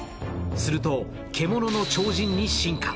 すると、獣の超人に進化。